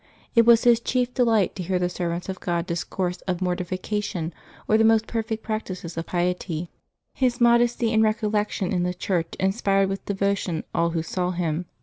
It was his chief delight to hear the servants of God discourse of mortification or the most perfect practices of piety. His modesty and recollection in the church inspired with devotion all who saw him.